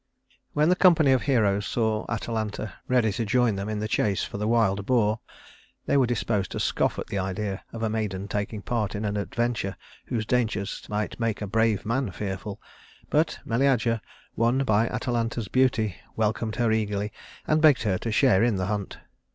When the company of heroes saw Atalanta ready to join them in the chase for the wild boar, they were disposed to scoff at the idea of a maiden taking part in an adventure whose dangers might make a brave man fearful; but Meleager, won by Atalanta's beauty, welcomed her eagerly, and begged her to share in the hunt.